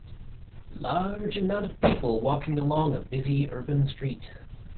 Large amount of people walking along a busy urban street.